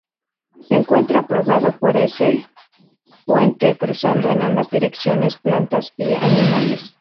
Se encuentra probado que por ese "puente" cruzaron en ambas direcciones plantas y animales.